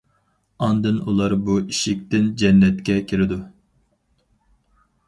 ئاندىن ئۇلار بۇ ئىشىكتىن جەننەتكە كىرىدۇ.